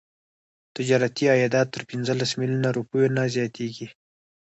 تجارتي عایدات تر پنځلس میلیونه روپیو نه زیاتیږي.